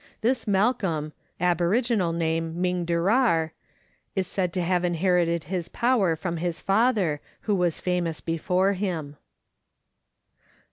This Malcolm (aboriginal name Myngderrar) is said to have inherited this power from his father, who was famous before him.